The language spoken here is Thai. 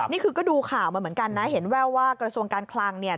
นี่คือก็ดูข่าวมาเหมือนกันนะเห็นแว่วว่ากระทรวงการคลังเนี่ย